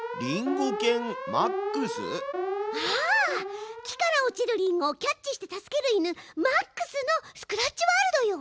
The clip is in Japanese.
ああ木から落ちるリンゴをキャッチして助ける犬マックスのスクラッチワールドよ。